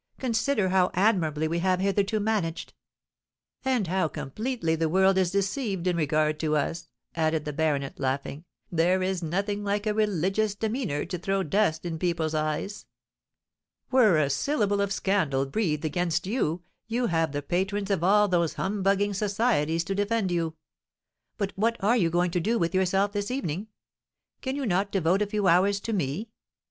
Consider how admirably we have hitherto managed——" "And how completely the world is deceived in regard to us," added the baronet, laughing. "There is nothing like a religious demeanour to throw dust in people's eyes. Were a syllable of scandal breathed against you, you have the patrons of all those humbugging Societies to defend you. But what are you going to do with yourself this evening? Can you not devote a few hours to me?"